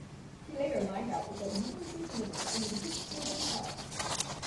He later lined out with the University of Limerick in the Fitzgibbon Cup.